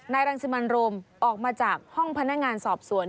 รังสิมันโรมออกมาจากห้องพนักงานสอบสวน